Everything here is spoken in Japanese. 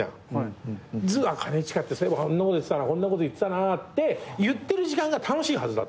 兼近ってそういえばあんなこと言ってたなこんなこと言ってたなっていってる時間が楽しいはずだと。